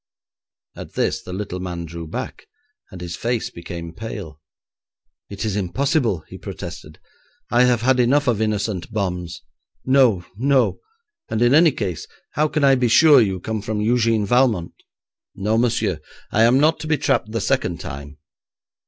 At this the little man drew back, and his face became pale. 'It is impossible,' he protested; 'I have had enough of innocent bombs. No, no, and in any case how can I be sure you come from Eugène Valmont? No, monsieur, I am not to be trapped the second time.'